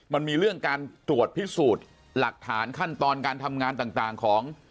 มันมีเรื่องการตรวจพิสูจน์หลักฐานขั้นตอนการทำงานต่างของ